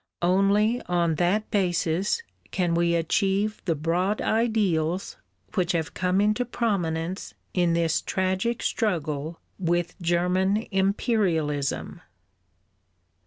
Only on that basis can we achieve the broad ideals which have come into prominence in this tragic struggle with German imperialism.